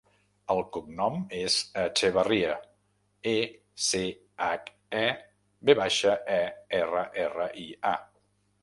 El cognom és Echeverria: e, ce, hac, e, ve baixa, e, erra, erra, i, a.